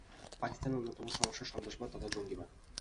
পাকিস্তানের অন্যতম সমস্যা সন্ত্রাসবাদ তথা জঙ্গিবাদ।